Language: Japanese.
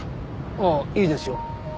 ああいいですよ。